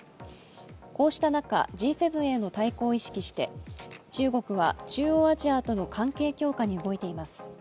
こうした中、Ｇ７への対抗を意識して中国は中央アジアとの関係強化に動いています。